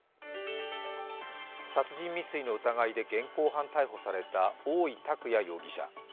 殺人未遂の疑いで現行犯逮捕された大井拓弥容疑者。